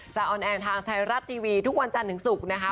ออนแอร์ทางไทยรัฐทีวีทุกวันจันทร์ถึงศุกร์นะคะ